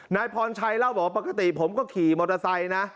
นายพรชัยเล่าบอกว่าปกติผมก็ขี่มอเตอร์ไซค์นะ